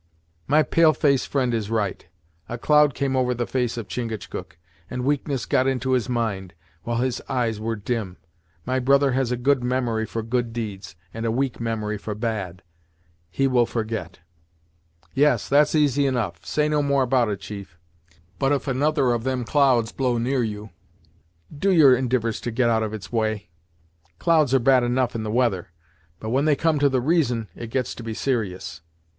"My pale face friend is right. A cloud came over the face of Chingachgook, and weakness got into his mind, while his eyes were dim. My brother has a good memory for good deeds, and a weak memory for bad. He will forget." "Yes, that's easy enough. Say no more about it chief, but if another of them clouds blow near you, do your endivours to get out of its way. Clouds are bad enough in the weather, but when they come to the reason, it gets to be serious.